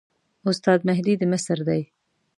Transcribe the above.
استاد مهدي د مصر دی.